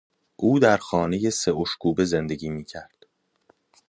او در یک خانهی سه اشکوبه زندگی میکرد.